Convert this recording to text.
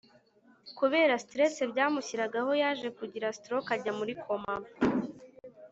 Kubera stress byamushyiragaho yaje kugira stroke ajya muri coma